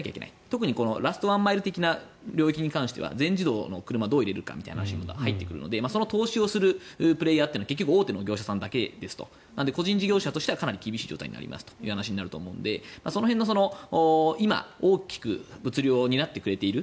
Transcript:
特にラストワンマイル的な領域に関しては全自動の車をどう入れるのかという形に入ってくるので投資をするプレーヤーは結局大手の業者だけと。個人事業主としてはかなり厳しい状態になると思うのでその辺の今大きく物流を担ってくれている